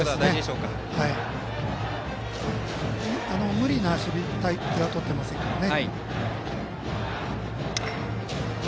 無理な守備隊形はとっていませんからね。